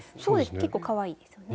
結構かわいいですよね。